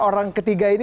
orang ketiga ini